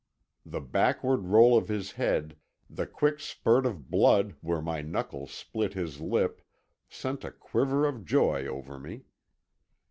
The backward roll of his head, the quick spurt of blood where my knuckles split his lip, sent a quiver of joy over me.